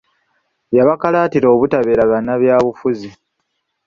Yabakalaatira obutabeera bannabyabufuzi.